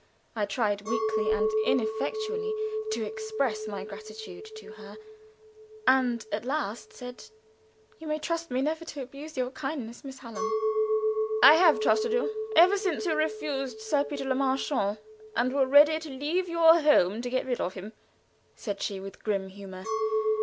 I tried, weakly and ineffectually, to express my gratitude to her, and at last said: "You may trust me never to abuse your kindness, Miss Hallam." "I have trusted you ever since you refused Sir Peter Le Marchant, and were ready to leave your home to get rid of him," said she, with grim humor.